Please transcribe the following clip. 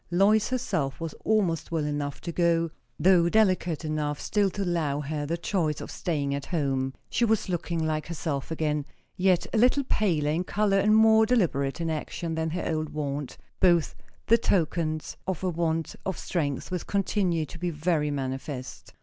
Lois herself was almost well enough to go, though delicate enough still to allow her the choice of staying at home. She was looking like herself again; yet a little paler in colour and more deliberate in action than her old wont; both the tokens of a want of strength which continued to be very manifest.